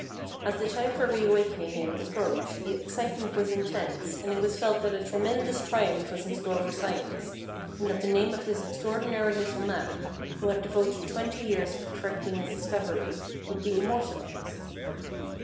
As the time for re awakening him approached the excitement was intense, and it was felt that a tremendous triumph was in store for science, and that the name of this extraordinary little man, who had devoted twenty years to perfecting his discovery, would be immortalised.